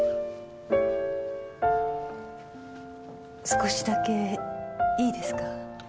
少しだけいいですか？